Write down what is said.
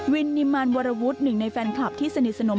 นิมานวรวุฒิหนึ่งในแฟนคลับที่สนิทสนม